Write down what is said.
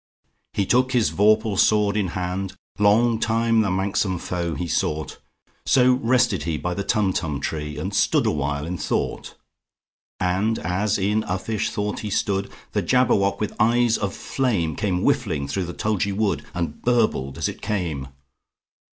He took his vorpal sword in hand:Long time the manxome foe he sought—So rested he by the Tumtum tree, And stood awhile in thought. And as in uffish thought he stood, The Jabberwock, with eyes of flame, Came whiffling through the tulgey wood, And burbled as it came!